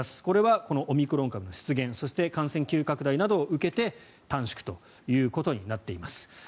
これはこのオミクロン株の出現そして感染急拡大などを受けて短縮ということになっています。